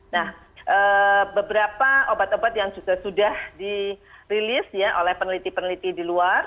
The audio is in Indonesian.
nah beberapa obat obat yang juga sudah dirilis ya oleh peneliti peneliti di luar